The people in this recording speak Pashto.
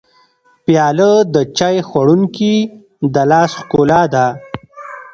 پیاله د چای خوړونکي د لاس ښکلا ده.